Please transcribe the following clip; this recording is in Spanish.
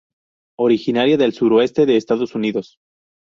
Originaria del suroeste de Estados Unidos.